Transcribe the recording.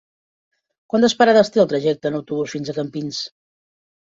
Quantes parades té el trajecte en autobús fins a Campins?